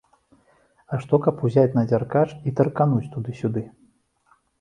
А што, каб узяць на дзяркач і таркануць туды-сюды.